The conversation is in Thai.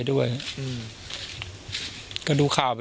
สวัสดีครับ